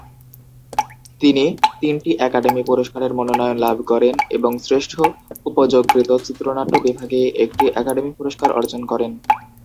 তিনি তিনটি একাডেমি পুরস্কারের মনোনয়ন লাভ করেন এবং শ্রেষ্ঠ উপযোগকৃত চিত্রনাট্য বিভাগে একটি একাডেমি পুরস্কার অর্জন করেন।